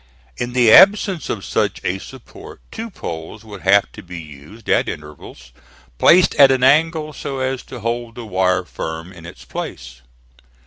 In the absence of such a support two poles would have to be used, at intervals, placed at an angle so as to hold the wire firm in its place.